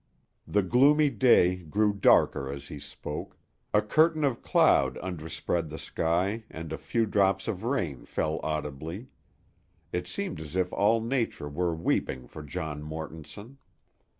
The gloomy day grew darker as he spoke; a curtain of cloud underspread the sky and a few drops of rain fell audibly. It seemed as if all nature were weeping for John Mortonson.